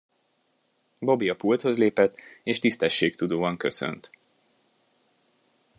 Bobby a pulthoz lépett, és tisztességtudóan köszönt.